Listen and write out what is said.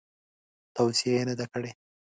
توصیه یې نه ده کړې.